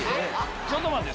ちょっと待って。